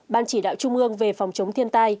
ban chỉ đạo trung ương về phòng chống thiên tai